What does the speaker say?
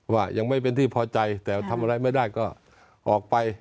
ว่ายังไม่เป็นที่พอใจแต่ทำอะไรไม่ได้ก็ออกไป